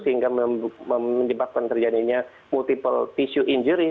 sehingga mendibakkan terjadinya multiple tissue injury